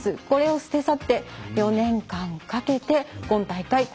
これを捨て去って４年間かけて今大会